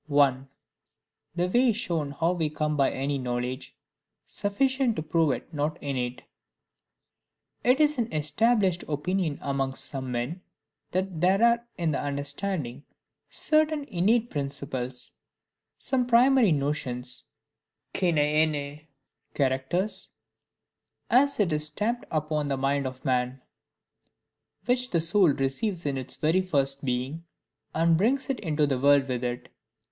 1. The way shown how we come by any Knowledge, sufficient to prove it not innate. It is an established opinion amongst some men, that there are in the understanding certain INNATE PRINCIPLES; some primary notions, Κοινὰι εὔνοιαι, characters, as it were stamped upon the mind of man; which the soul receives in its very first being, and brings into the world with it.